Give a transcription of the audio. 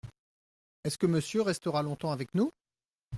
Est-ce que Monsieur restera longtemps avec nous ?